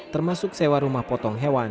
termasuk sewa rumah potong hewan